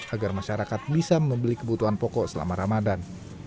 agar masyarakat bisa membeli kebutuhan pokok selama ramadan